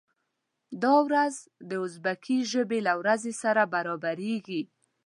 دا ورځ د ازبکي ژبې له ورځې سره برابریږي.